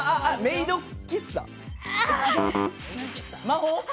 魔法？